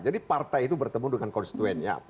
jadi partai itu bertemu dengan konstruennya